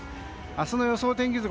明日の予想天気図